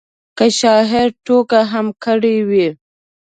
که شاعر ټوکه هم کړې وي.